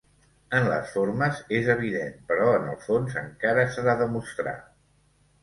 En les formes és evident, però en el fons encara s’ha de demostrar.